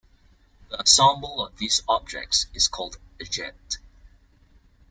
The ensemble of these objects is called a jet.